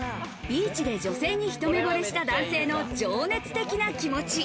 ビーチで女性に一目ぼれした男性の情熱的な気持ち。